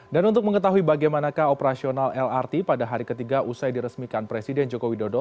dan untuk mengetahui bagaimanakah operasional lrt pada hari ketiga usai diresmikan presiden joko widodo